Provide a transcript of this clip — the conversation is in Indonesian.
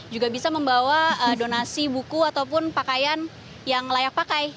juga bisa membawa donasi buku ataupun pakaian yang layak pakai